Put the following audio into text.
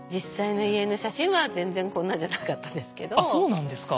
そうなんですか。